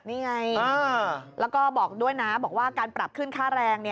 นี่ไงแล้วก็บอกด้วยนะบอกว่าการปรับขึ้นค่าแรง